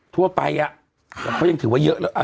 ทั่วไปเขายังถือว่าเยอะ